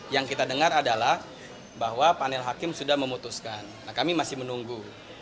yang kita dengar adalah bahwa panel hakim sudah memutuskan kami masih menunggu